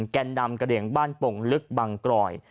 แก่นนำกระเด่งบ้านโป่งลึกบางกรอย